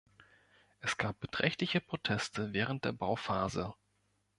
Es gab beträchtliche Proteste während der Bauphase.